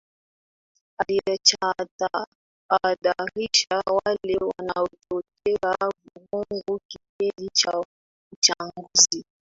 aliwaatahadharisha wale wanaochochea vurugu kipindi cha uchaguzi